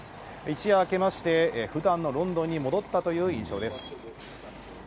一夜明けまして、ふだんのロンドンに戻ったという印象です。